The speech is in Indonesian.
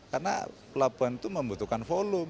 karena pelabuhan itu membutuhkan